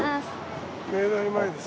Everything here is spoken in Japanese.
明大前ですね。